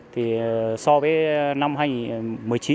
thì so với năm hai nghìn một mươi chín